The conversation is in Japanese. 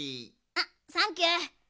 あサンキュー。